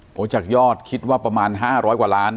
เพราะจากยอดคิดว่าประมาณ๕๐๐กว่าล้าน